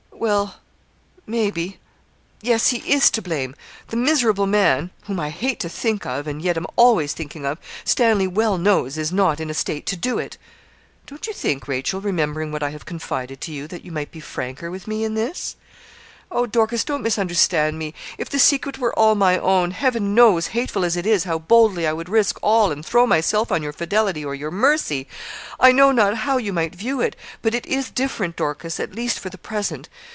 Well maybe yes, he is to blame the miserable man whom I hate to think of, and yet am always thinking of Stanley well knows is not in a state to do it.' 'Don't you think, Rachel, remembering what I have confided to you, that you might be franker with me in this?' 'Oh, Dorcas! don't misunderstand me. If the secret were all my own Heaven knows, hateful as it is, how boldly I would risk all, and throw myself on your fidelity or your mercy I know not how you might view it; but it is different, Dorcas, at least for the present.